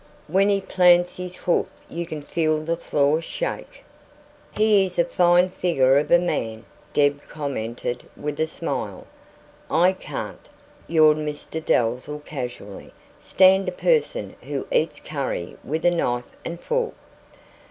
When he plants his hoof you can feel the floor shake." "He IS a fine figure of a man," Deb commented, with a smile. "I can't," yawned Mr Dalzell casually, "stand a person who eats curry with a knife and fork."